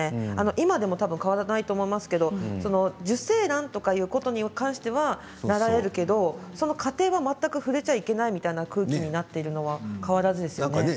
今でも変わらないと思うけど受精卵ということに関しては習っているけどその過程は全く触れちゃいけないみたいな空気になっているのは変わらずですよね。